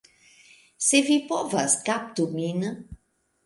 Se vi povas, kaptu min!